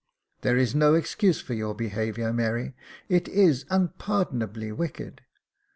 " There is no excuse for your behaviour, Mary — it is unpardonably wicked.